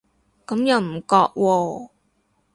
咁又唔覺喎